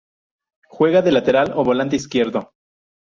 Juega de lateral o volante izquierdo.